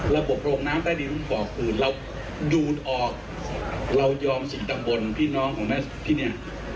ระบบโรงน้ำได้ดีรู้บอกคือเราดูดออกเรายอมสิ่งต่างบนพี่น้องของแม่พี่เนี่ย